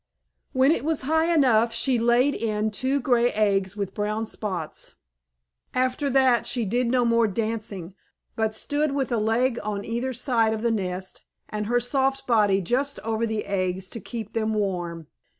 When it was high enough, she laid in it two gray eggs with brown spots. After that she did no more dancing, but stood with a leg on either side of the nest, and her soft body just over the eggs to keep them warm.